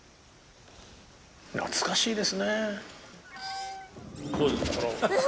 懐かしいですね。